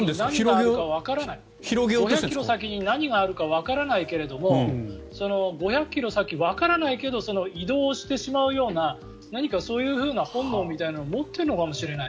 ５００ｋｍ先に何があるかわからないけれど５００ｋｍ先はわからないけど移動してしまうような何か、そういうふうな本能を持ってるのかもしれない。